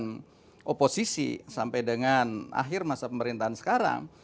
dengan oposisi sampai dengan akhir masa pemerintahan sekarang